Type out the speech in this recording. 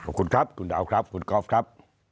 ขอบคุณครับคุณดาวครับคุณกอล์ฟครับ